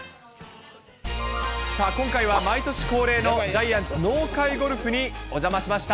さあ、今回は毎年恒例のジャイアンツ納会ゴルフにお邪魔しました。